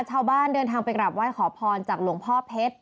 ชาวบ้านเดินทางไปกลับไหว้ขอพรจากหลวงพ่อเพชร